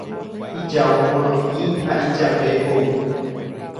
ijao morotĩ ha ijape hovy